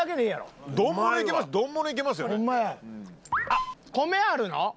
あっ米あるの？